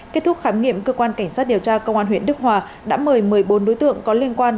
kết thúc khám nghiệm cơ quan cảnh sát điều tra công an huyện đức hòa đã mời một mươi bốn đối tượng có liên quan